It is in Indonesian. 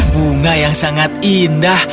bunga yang sangat indah